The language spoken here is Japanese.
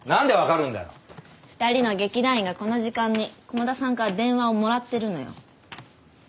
２人の劇団員がこの時間に駒田さんから電話をもらってるのよ。